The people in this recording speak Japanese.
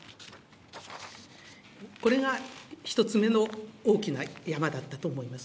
これが１つ目の大きなやまだったと思います。